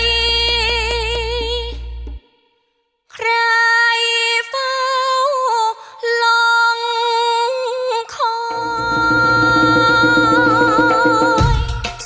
ใครใครเฝ้าหลงข้อย